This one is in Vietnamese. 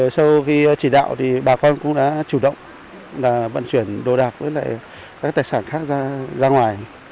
sau khi chỉ đạo thì bà con cũng đã chủ động vận chuyển đồ đạc với các tài sản khác ra ngoài